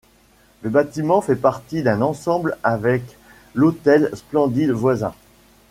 Le bâtiment fait partie d'un ensemble avec l'Hôtel Splendid voisin.